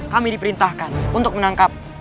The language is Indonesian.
kami diperintahkan untuk menangkap